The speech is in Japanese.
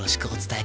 え？